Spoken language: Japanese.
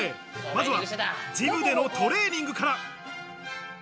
まずはジムでのトレーニングから。